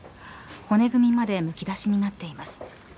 骨組みまでむき出しになっています。